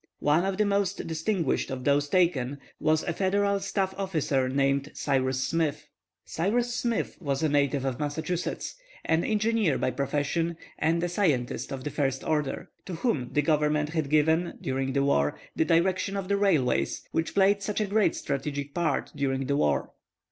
One of the most distinguished of those taken was a Federal staff officer named Cyrus Smith. Cyrus Smith was a native of Massachusetts, an engineer by profession, and a scientist of the first order, to whom the Government had given, during the war, the direction of the railways, which played such a great strategic part during the war.